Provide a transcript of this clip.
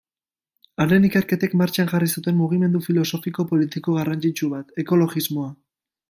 Haren ikerketek martxan jarri zuten mugimendu filosofiko-politiko garrantzitsu bat, ekologismoa.